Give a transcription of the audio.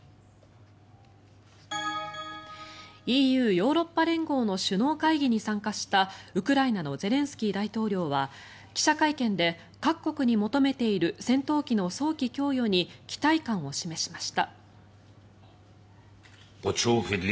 ＥＵ・ヨーロッパ連合の首脳会議に参加したウクライナのゼレンスキー大統領は記者会見で各国に求めている戦闘機の早期供与に期待感を示しました。